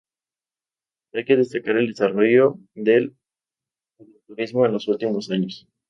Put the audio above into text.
Hay que destacar el desarrollo del agroturismo en los últimos años.